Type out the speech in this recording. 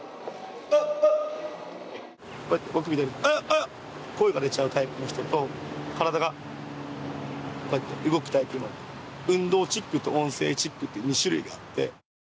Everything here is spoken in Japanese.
僕みたいに、声が出ちゃうタイプの人と、体がこうやって動くタイプの運動チックと音声チックという２種類があって。